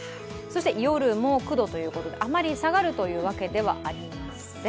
夜も９度ということであまり下がるというわけではありません。